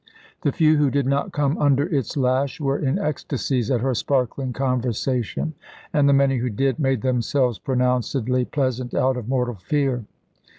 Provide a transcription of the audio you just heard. The few who did not come under its lash were in ecstasies at her sparkling conversation, and the many who did made themselves pronouncedly pleasant out of mortal fear.